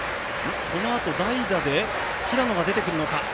このあと代打で平野が出てくるのか。